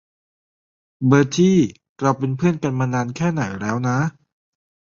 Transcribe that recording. เบอร์ทิ เราเป็นเพือนกันมานานแค่ไหนแล้วนะ ?